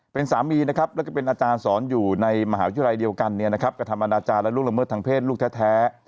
เป็นสามีนะครับแล้วก็เป็นอาจารย์สอนอยู่ในมหาวิทยาลัยเดียวกันกระทำอนาจารย์และล่วงละเมิดทางเพศลูกแท้